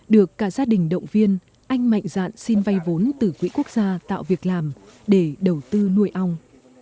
được cả gia đình động viên anh mạnh dạn xin vay vốn từ quỹ quốc gia tạo việc làm để đầu tư nuôi ong